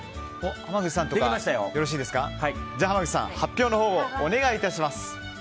濱口さん、発表のほうをお願いします。